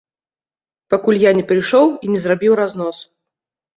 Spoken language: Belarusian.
Пакуль я не прыйшоў і не зрабіў разнос.